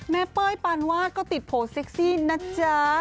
เป้ยปานวาดก็ติดโผล่เซ็กซี่นะจ๊ะ